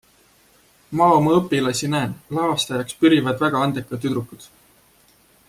Ma oma õpilasi näen, lavastajaks pürivad väga andekad tüdrukud.